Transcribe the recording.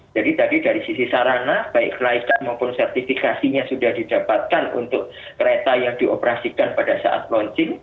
jadi tadi dari sisi sarana baik kelaikan maupun sertifikasinya sudah didapatkan untuk kereta yang dioperasikan pada saat launching